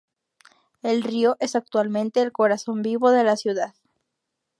El río es actualmente el corazón vivo de la ciudad.